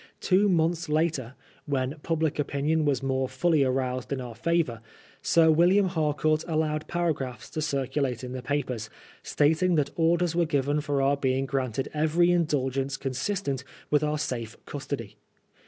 Two months later, when public opinion was more fully aroused in our favor. Sir William Harcourt allowed paragraphs to circulate in the papers, stating that orders were given for our being granted every indulgence con* Bistent with our safe custody.